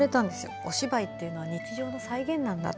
お芝居っていうのは日常の再現なんだと。